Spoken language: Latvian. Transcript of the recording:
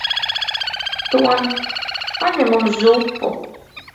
Tom. Paņem mums zupu.